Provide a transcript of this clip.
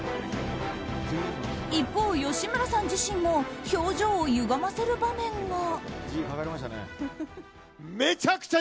一方、吉村さん自身も表情をゆがませる場面が。